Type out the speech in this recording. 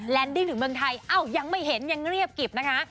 ดิ้งถึงเมืองไทยอ้าวยังไม่เห็นยังเรียบกิบนะคะ